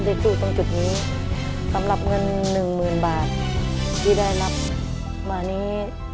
ได้จู้จนจุดนี้สำหรับเงิน๑๐๐๐๐บาทที่ได้รับมานี้